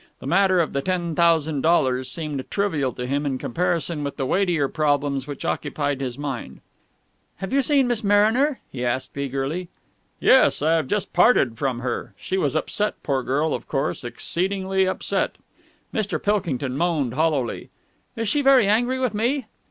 The matter of the ten thousand dollars seemed trivial to him in comparison with the weightier problems which occupied his mind. "Have you seen Miss Mariner?" he asked eagerly. "Yes. I have just parted from her. She was upset, poor girl, of course, exceedingly upset." Mr. Pilkington moaned hollowly. "Is she very angry with me?"